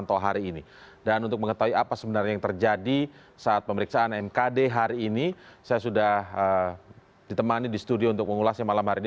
beri dukungan di studio untuk mengulasnya malam hari ini